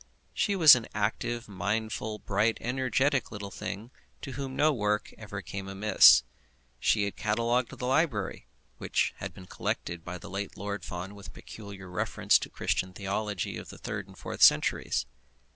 She was an active, mindful, bright, energetic little thing to whom no work ever came amiss. She had catalogued the library, which had been collected by the late Lord Fawn with peculiar reference to the Christian theology of the third and fourth centuries.